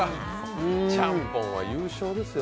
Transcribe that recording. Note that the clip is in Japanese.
ちゃんぽんは優勝ですよ。